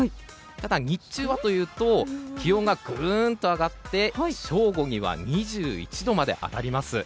ただ、日中はというと気温がぐんと上がって正午には２１度まで上がります。